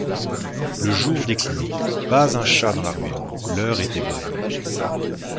Le jour déclinait, pas un chat dans la ruelle, l’heure était bonne.